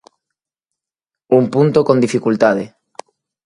Un punto con dificultade.